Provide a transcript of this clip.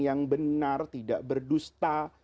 yang benar tidak berdusta